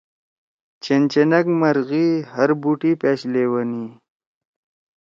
چنچنیأک مرغی ہر بوٹی پیاش لیوانی؟